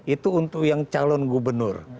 itu untuk yang calon gubernur